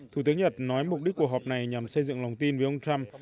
thủ tướng nhật nói mục đích của họp này nhằm xây dựng lòng tin với ông trump